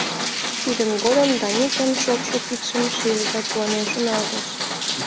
Тидын годым Даникын шокшо кидшым шиже да куанен шоналтыш: